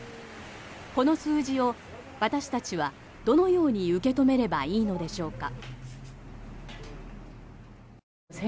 この数字を、私たちはどのように受け止めればいいのでしょうか。